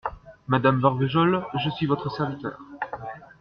Madame Marvejol, je suis votre serviteur.